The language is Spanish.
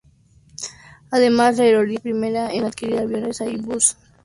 Además, la aerolínea fue la primera en adquirir aviones Airbus fuera de Europa.